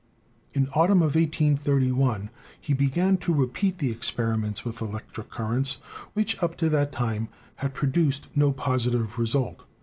In the autumn of 1831 he began to repeat the experiments with electric currents which, up to that time, had produced no positive result.